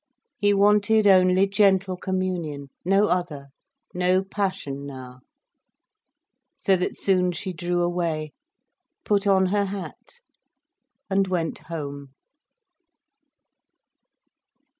He wanted only gentle communion, no other, no passion now. So that soon she drew away, put on her hat and went home.